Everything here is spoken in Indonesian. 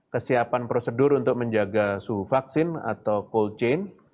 kesiapan prosedur untuk menjaga suhu vaksin atau cold chain